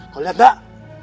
kau lihat tak